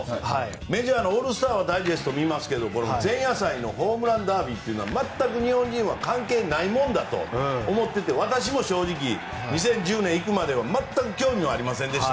メジャーのオールスターはダイジェストは見ますけど前夜祭のホームランダービーというのは全く日本人は関係ないものだと思っていて私も正直２０１０年行くまでは全く興味はありませんでした。